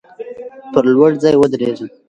پر لوړ ځای ودریږه.